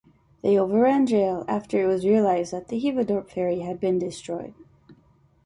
They overran Driel, after it was realised that the Heveadorp ferry had been destroyed.